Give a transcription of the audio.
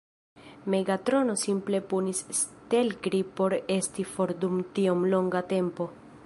Megatrono simple punis Stelkri por esti for dum tiom longa tempo.